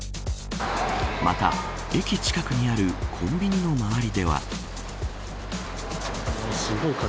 また、駅近くにあるコンビニの周りでは。